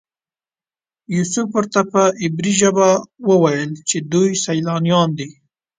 یوسف ورته په عبري ژبه وویل چې دوی سیلانیان دي.